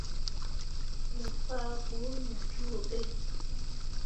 Me faa ɓu wǝ jooɓǝ.